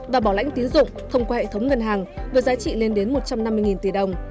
và bảo lãnh tín dụng thông qua hệ thống ngân hàng với giá trị lên đến một trăm năm mươi tỷ đồng